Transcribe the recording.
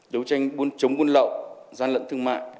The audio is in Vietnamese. đấu tranh chống quân lậu gian lận thương mại